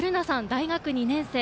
大学２年生。